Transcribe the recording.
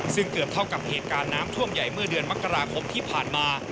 ซึ่งเกือบเท่ากับเหตุการณ์น้ำท่วมใหญ่เมื่อเดือนมกราคมที่ผ่านมา